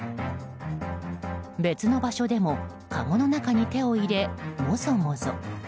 別の場所でもかごの中に手を入れもぞもぞ。